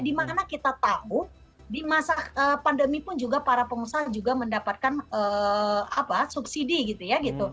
dimana kita tahu di masa pandemi pun juga para pengusaha juga mendapatkan subsidi gitu ya